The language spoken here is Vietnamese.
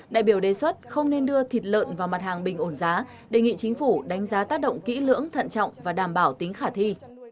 đại biểu đề xuất không nên đưa thịt lợn vào mặt hàng bình ổn giá đề nghị chính phủ đánh giá tác động kỹ lưỡng thận trọng và đảm bảo tính khả thi